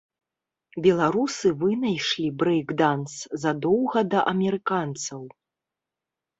Беларусы вынайшлі брэйк-данс задоўга да амерыканцаў.